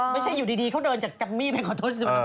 แม่งใช่อยู่ดีเขาเดินจากกับมี่ไปขอโทษสวรรพูม